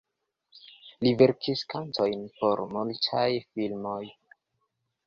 Li verkis kantojn por multaj filmoj.